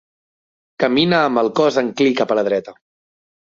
Camina amb el cos enclí cap a la dreta.